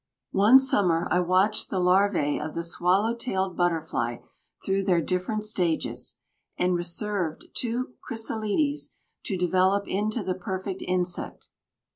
One summer I watched the larvæ of the swallow tailed butterfly through their different stages, and reserved two chrysalides to develop into the perfect insect.